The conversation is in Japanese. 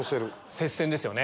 接戦ですよね。